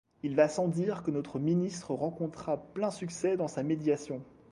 Il va sans dire que notre ministre rencontra plein succès dans sa médiation.